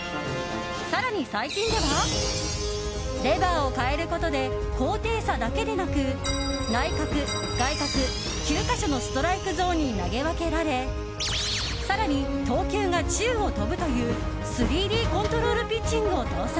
更に、最近ではレバーを変えることで高低差だけでなく内角、外角９か所のストライクゾーンに投げ分けられ更に投球が宙を飛ぶという３Ｄコントロールピッチングを搭載。